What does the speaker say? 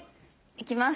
いきます。